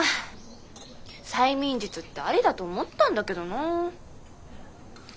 催眠術ってありだと思ったんだけどなぁ。